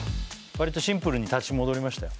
わりとシンプルに立ち戻りましたよ